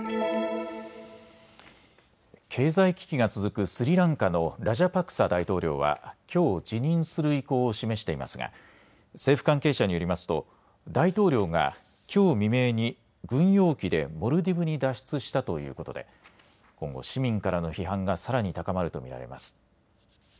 経済危機が続くスリランカのラジャパクサ大統領はきょう辞任する意向を示していますが政府関係者によりますと大統領がきょう未明に軍用機でモルディブに脱出したということで、今後、市民からの批判がさらに高まると見られます。